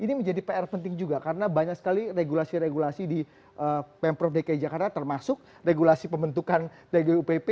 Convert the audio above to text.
ini menjadi pr penting juga karena banyak sekali regulasi regulasi di pemprov dki jakarta termasuk regulasi pembentukan tgupp